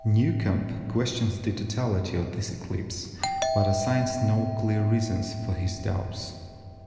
Newcomb questions the totality of this eclipse, but assigns no clear reasons for his doubts.